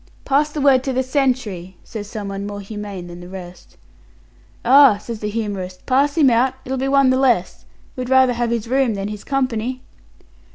"Pass the word to the sentry," says someone more humane than the rest. "Ah," says the humorist, "pass him out; it'll be one the less. We'd rather have his room than his company."